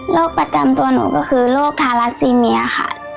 ประจำตัวหนูก็คือโรคทาราซีเมียค่ะ